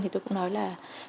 thì tôi cũng nói là